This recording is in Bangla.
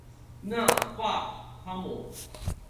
না - ফাক - থামো!